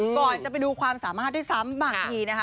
ก่อนจะไปดูความสามารถด้วยซ้ำบางทีนะคะ